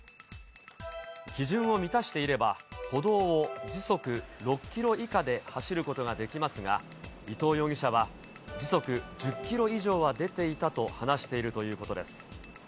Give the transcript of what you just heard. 基準を満たしていれば、歩道を時速６キロ以下で走ることができますが、伊藤容疑者は、時速１０キロ以上は出ていたと話しているということです。